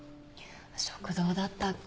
食堂だったっけ。